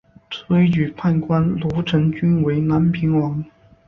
推举判官卢成均为南平王。